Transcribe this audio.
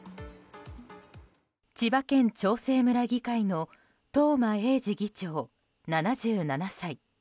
千葉県長生村議会の東間永次議長、７７歳。